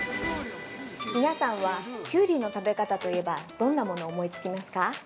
皆さんはキュウリの食べ方といえばどんなものを思いつきますか。